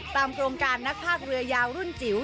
โครงการนักภาคเรือยาวรุ่นจิ๋ว